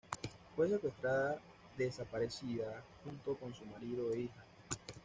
Fue secuestrada desaparecida junto con su marido e hija.